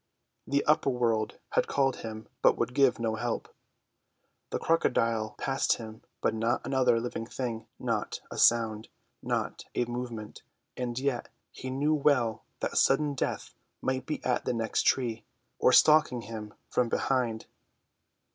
The upper world had called him, but would give no help. The crocodile passed him, but not another living thing, not a sound, not a movement; and yet he knew well that sudden death might be at the next tree, or stalking him from behind.